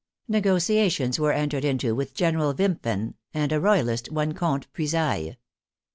Negotia tions were entered into with General Wimpfen and a Royalist, one Cbmte Puisaye.